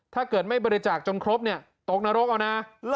ถ้าเกิดไม่บริจาคจนครบเนี่ยตกนรกเอานะ